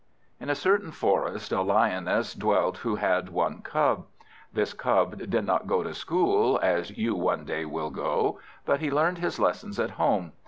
IN a certain forest, a Lioness dwelt who had one cub. This cub did not go to school, as you one day will go; but he learned his lessons at home.